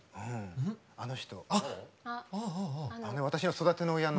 あの人。